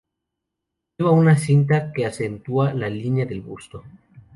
Lleva una cinta que acentúa la línea del busto.